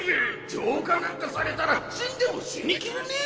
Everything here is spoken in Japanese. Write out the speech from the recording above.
浄化なんかされたら死んでも死にきれねえ！